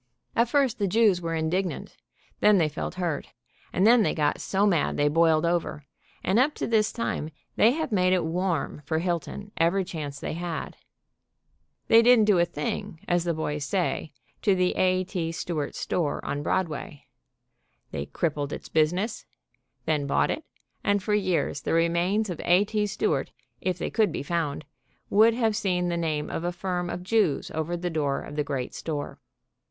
At first the Jews were indignant, then they felt hurt, and then they got so mad they boiled over, and up to this time they have made it warm for Hilton every chance they had. They didn't do a thing, as the boys say, to the A. T. Stewart store, on Broadway. They crippled its business, then bought it, and for years the remains of A. T. Stewart, if they could be found, would have seen the name of a firm of Jews over the door of the great store.